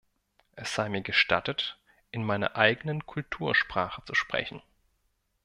Es sei mir gestattet, in meiner eigenen Kultursprache zu sprechen.